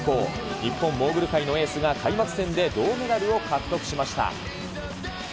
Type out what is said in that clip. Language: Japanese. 日本モーグル界のエースが開幕戦で銅メダルを獲得しました。